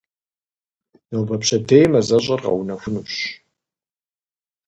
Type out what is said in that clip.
Нобэ-пщэдей мазэщӏэр къэунэхунущ.